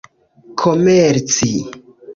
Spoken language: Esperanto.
komerci